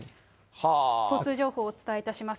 交通情報をお伝えいたします。